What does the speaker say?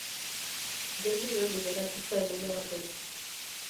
Geldi-geldi geratu zen une batez.